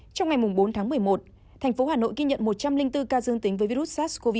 trong ngày bốn tháng một mươi một thành phố hà nội ghi nhận một trăm linh bốn ca dương tính với virus sars cov hai